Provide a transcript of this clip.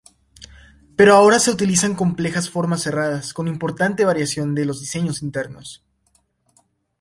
Pero ahora se utilizan complejas formas cerradas, con importante variación de los diseños internos.